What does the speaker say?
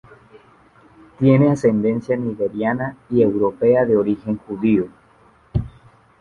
Tiene ascendencia nigeriana y europea de origen judío.